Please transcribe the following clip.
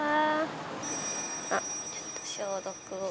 あっちょっと消毒を。